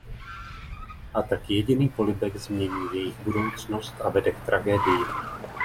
A tak jediný polibek změní jejich budoucnost a vede k tragédii.